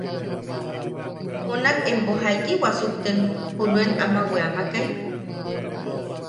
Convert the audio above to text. ¿Junak empo jaiki wasukten junuen ama weamakai?